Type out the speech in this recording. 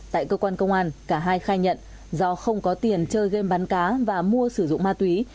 tại cơ quan công an cả hai khai nhận do không có tiền chơi game bắn cá và mua sử dụng ma túy